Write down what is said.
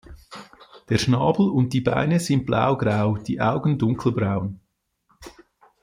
Der Schnabel und die Beine sind blaugrau, die Augen dunkelbraun.